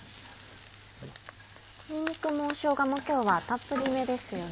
にんにくもしょうがも今日はたっぷりめですよね。